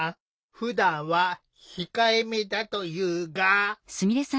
ふだんは控えめだというが。